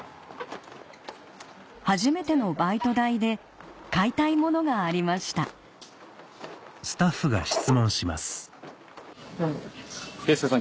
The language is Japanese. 初めてのバイト代で買いたいものがありました佳祐さん